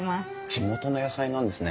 地元の野菜なんですね。